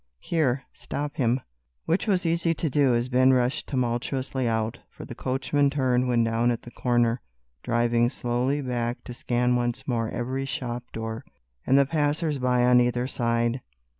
"Here, stop him." Which was easy to do, as Ben rushed tumultuously out, for the coachman turned when down at the corner, driving slowly back to scan once more every shop door, and the passers by on either side.